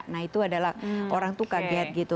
nah itu adalah orang tuh kaget gitu